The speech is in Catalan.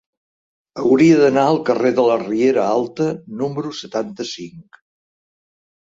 Hauria d'anar al carrer de la Riera Alta número setanta-cinc.